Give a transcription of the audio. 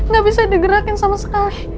gak bisa digerakin sama sekali